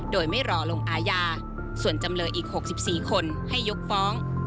โดยไม่รอลงอาญาส่วนจำเลยอีก๖๔คนให้ยกฟ้อง